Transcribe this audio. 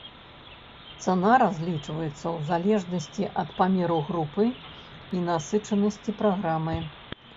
Цана разлічваецца ў залежнасці ад памеру групы і насычанасці праграмы.